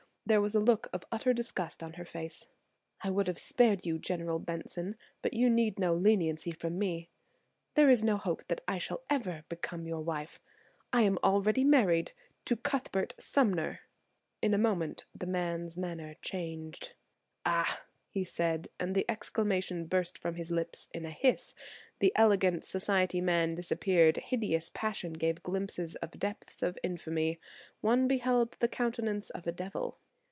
There was a look of utter disgust on her face. "I would have spared you, General Benson, but you need no leniency from me. There is no hope that I shall ever become your wife. I am already married to–Cuthbert Sumner!" In a moment the man's manner changed. "Ah!" he said, and the exclamation burst from his lips in a hiss; the elegant society man disappeared–hideous passion gave glimpses of depths of infamy–one beheld the countenance of a devil.